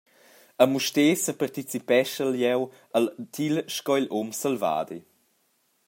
A Mustér separticipeschel jeu al til sco igl um selvadi.